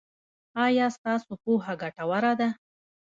ایا ستاسو پوهه ګټوره ده؟